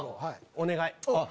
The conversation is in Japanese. お願い。